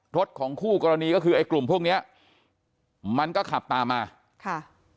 รถของคู่กรณีก็คือไอ้กลุ่มพวกเนี้ยมันก็ขับตามมาค่ะ